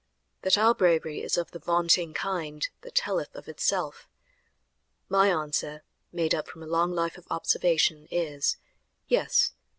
That our bravery is of the vaunting kind that telleth of itself? My answer, made up from a long life of observation, is: "Yes!